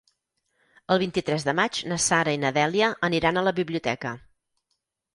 El vint-i-tres de maig na Sara i na Dèlia aniran a la biblioteca.